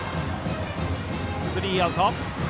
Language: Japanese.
スリーアウト。